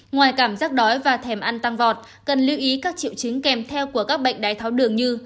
ngoài cảm giác đói và thèm ăn tăng vọt cần lưu ý các triệu chứng kèm theo của các bệnh đái tháo đường như